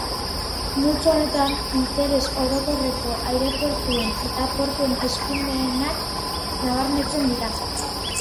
Multzo honetan interes orokorreko aireportuen eta portuen eskumenak nabarmentzen dira.